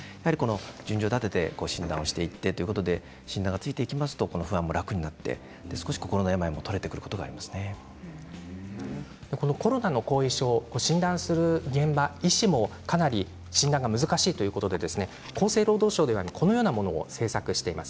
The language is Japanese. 順序立てて診断していって診断がついていきますと不安も楽になって心の病もコロナの後遺症を診断する現場、医師もかなり診断が難しいということで厚生労働省ではこのようなものを製作しています。